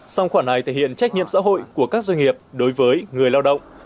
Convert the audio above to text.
song khoản này thể hiện trách nhiệm xã hội của các doanh nghiệp đối với người lao động